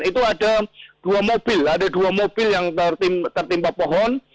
itu ada dua mobil yang tertimpa pohon